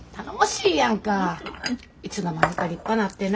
いつの間にか立派なってな。